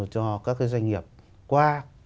cho các doanh nghiệp qua